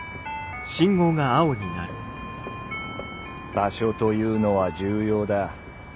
「場所」というのは重要だ。